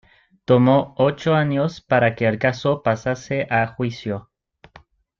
Tomó ocho años para que el caso pasase a juicio.